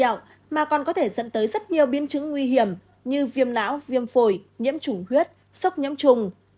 bệnh thủy đậu mà còn có thể dẫn tới rất nhiều biên chứng nguy hiểm như viêm não viêm phổi nhiễm trùng huyết sốc nhiễm trùng